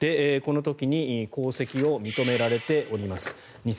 この時に功績を認められております。